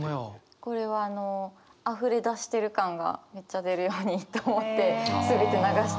これはあのあふれ出してる感がめっちゃ出るようにと思って全て流して。